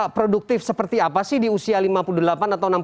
produktif seperti apa sih di usia lima puluh delapan atau enam puluh